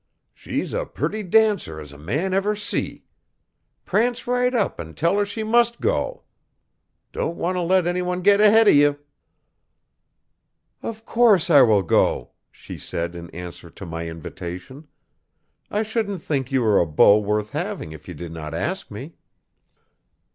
'She's a purty dancer as a man ever see. Prance right up an' tell 'er she mus' go. Don' want 'O let anyone git ahead O' ye.' 'Of course I will go,' she said in answer to my invitation, 'I shouldn't think you were a beau worth having if you did not ask me.'